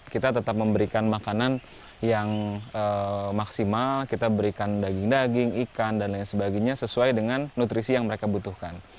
kita tetap memberikan makanan yang maksimal kita berikan daging daging ikan dan lain sebagainya sesuai dengan nutrisi yang mereka butuhkan